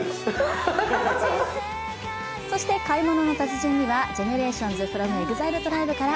そして「買い物の達人」にはＧＥＮＥＲＡＴＩＯＮＳｆｒｏｍＥＸＩＬＥＴＲＩＢＥから